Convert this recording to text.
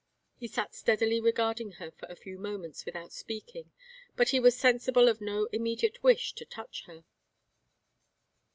He sat steadily regarding her for a few moments without speaking, but he was sensible of no immediate wish to touch her.